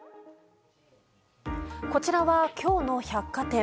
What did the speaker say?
こちらは、今日の百貨店。